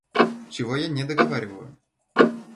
Чего я не договариваю?